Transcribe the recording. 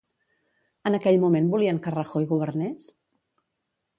En aquell moment volien que Rajoy governés?